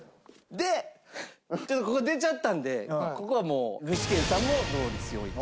でちょっとここ出ちゃったんでここはもう具志堅さんも同率４位でした。